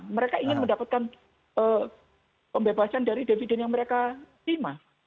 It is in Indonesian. mereka ingin mendapatkan pembebasan dari dividen yang mereka terima